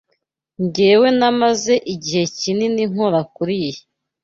Njyewe namaze igihe kinini nkora kuriyi.